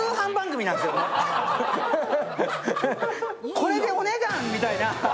これでお値段！みたいな。